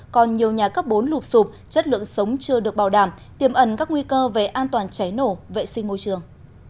còn nhiều nhà cấp bốn lụp sụp chất lượng sống chưa được bảo đảm tiềm ẩn các nguy cơ về an toàn cháy nổ vệ sinh môi trường